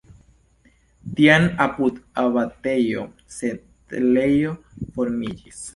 Tiam apud abatejo setlejo formiĝis.